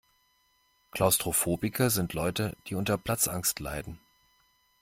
Klaustrophobiker sind Leute, die unter Platzangst leiden.